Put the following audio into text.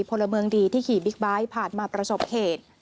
พลเมืองดีที่ขี่บิ๊กไบท์ผ่านมาประสบเหตุ